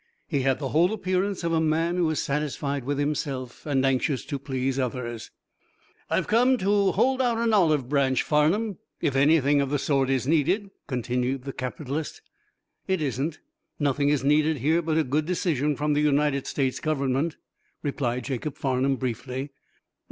He had the whole appearance of a man who is satisfied with himself and anxious to please others. "I've come to hold out the olive branch, Farnum, if anything of the sort is needed," continued the capitalist. "It isn't. Nothing is needed here but a good decision from the United States Government," replied Jacob Farnum, briefly.